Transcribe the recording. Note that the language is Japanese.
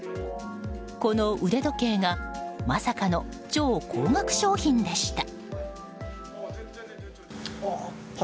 この腕時計がまさかの超高額商品でした。